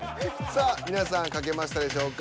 さあ皆さん書けましたでしょうか。